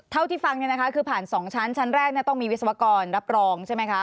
เท่าที่ฟังคือผ่าน๒ชั้นชั้นแรกต้องมีวิศวกรรับรองใช่ไหมคะ